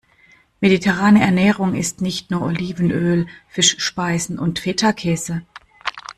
Mediterrane Ernährung ist nicht nur Olivenöl, Fischspeisen und Fetakäse.